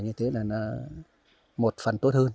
như thế là một phần tốt hơn